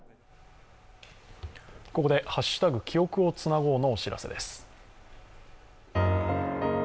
ここで「＃きおくをつなごう」のお知らせです。